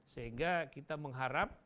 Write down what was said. sehingga kita mengharap